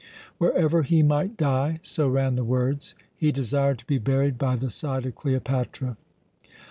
"Wherever he might die," so ran the words, "he desired to be buried by the side of Cleopatra."